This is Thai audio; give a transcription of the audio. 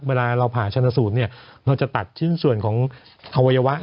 เวลาเราผ่าชนะสูตรเราจะตัดชิ้นส่วนของอวัยวะ